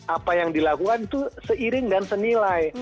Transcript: apa yang dilakukan itu seiring dan senilai